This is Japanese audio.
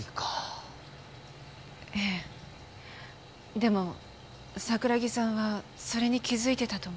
でも桜木さんはそれに気づいていたと思います。